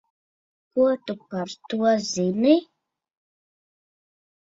Ko tu par to zini?